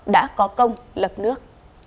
đã có công lập nước